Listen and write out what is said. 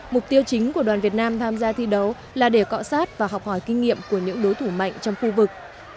mục tiêu chính của đoàn việt nam tham gia thi đấu là để cọ sát và học hỏi kinh nghiệm của những đối thủ mạnh trong khu vực